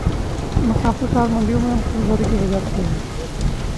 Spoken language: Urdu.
مسافر کار منڈیوں میں کمزوری کی وجہ سے